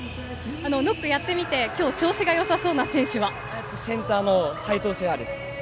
ノックやってみて今日、調子がよさそうな選手は？センターの齊藤聖覇です。